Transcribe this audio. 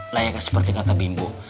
layaknya seperti kata bimbo